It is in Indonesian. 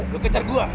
lo kejar gue